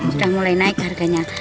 sudah mulai naik harganya